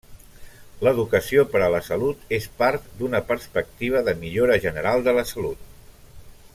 L'educació per a la salut és part d'una perspectiva de millora general de la salut.